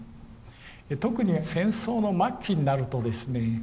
特に戦争の末期になるとですね